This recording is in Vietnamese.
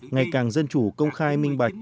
ngày càng dân chủ công khai minh bạch